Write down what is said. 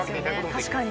確かに。